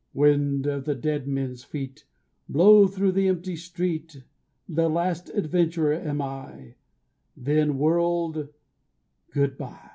Wind of the dead men's feet, Blow through the empty street! The last adventurer am I, Then, world, good by!